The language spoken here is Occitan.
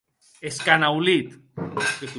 Escanaulit!